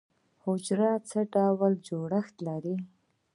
حجره څه ډول جوړښت لري؟